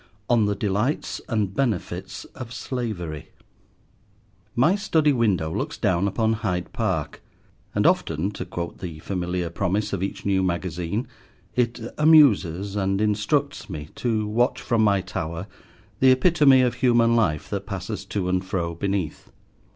ON THE DELIGHTS AND BENEFITS OF SLAVERY MY study window looks down upon Hyde Park, and often, to quote the familiar promise of each new magazine, it amuses and instructs me to watch from my tower the epitome of human life that passes to and fro beneath.